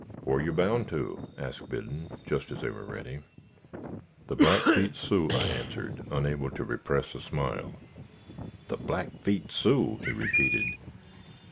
"Whar you bound to?" asked Biddon, just as they were ready. "The Blackfeet Sioux," I answered, unable to repress a smile. "The Blackfeet Sioux?" he repeated.